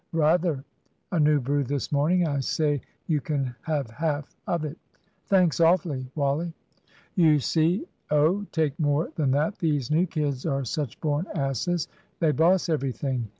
"Rather. A new brew this morning. I say, you can have half of it." "Thanks, awfully, Wally." "You see oh, take more than that these new kids are such born asses, they boss everything.